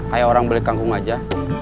kayak orang beli kangkung aja